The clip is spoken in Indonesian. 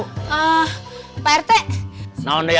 kita celebrasikan kuomernya